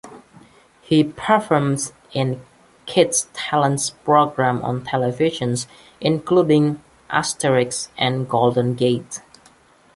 He performed in kids' talent programs on television, including "Asterisk" and "Golden Gate".